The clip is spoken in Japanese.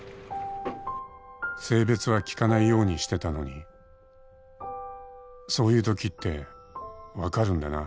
「性別は聞かないようにしてたのにそういうときって分かるんだな」